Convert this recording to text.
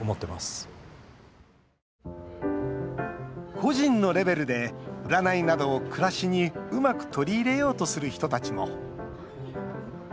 個人のレベルで占いなどを暮らしにうまく取り入れようとする人たちも。